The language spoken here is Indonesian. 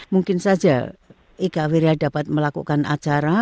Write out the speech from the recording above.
mungkin saja ika wira dapat melakukan acara